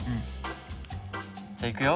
じゃあいくよ。